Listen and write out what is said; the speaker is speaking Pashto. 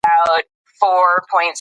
آیا ته د دې سپي مالیک یې؟